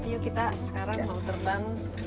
yuk kita sekarang mau terbang